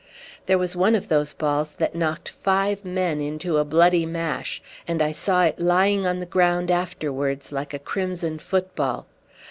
There was one of those balls that knocked five men into a bloody mash, and I saw it lying on the ground afterwards like a crimson football.